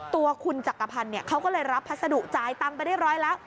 ตัวคุณจักรพรรณเขาก็เลยรับพัสดุจ่ายตังไปได้ร้อยแล้ว